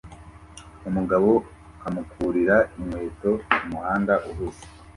Umugabo amurikira inkweto kumuhanda uhuze